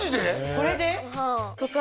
これで？